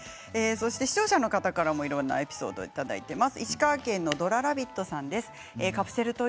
視聴者の方からもいろいろなエピソードいただいています。